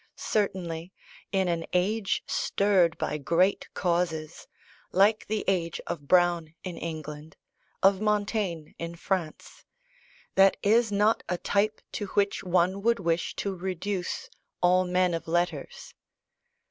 Certainly, in an age stirred by great causes, like the age of Browne in England, of Montaigne in France, that is not a type to which one would wish to reduce all men of letters.